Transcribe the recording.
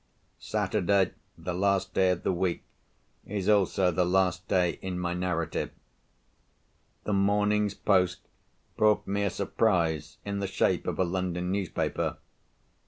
Saturday, the last day of the week, is also the last day in my narrative. The morning's post brought me a surprise in the shape of a London newspaper.